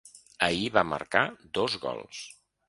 Ahir va marcar dos gols.